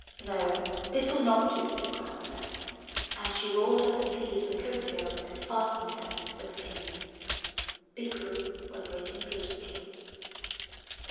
''No, this will not do,'' said Grandmother, and she rolled up the sleeves and coat tails and fastened them with pins. Bikku was waiting patiently.